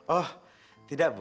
oh tidak bu